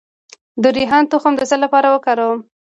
د ریحان تخم د څه لپاره وکاروم؟